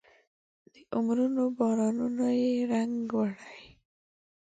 د عمرونو بارانونو یې رنګ وړی